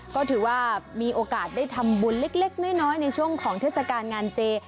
ก็ถือว่ามีโอกาสได้ทำบุญเล็กน้อยในช่วงของเทศกาลงานเจ